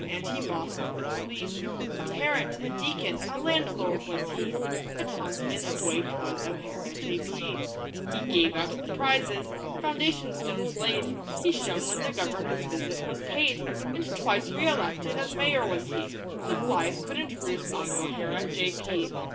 and he bossed the police; A parent, a deacon, a landlord was he A townsman of weight was O'Hara, J.P. He gave out the prizes, foundation stones laid, He shone when the Governor's visit was paid; And twice re elected as Mayor was he The flies couldn't roost on O'Hara, J.P.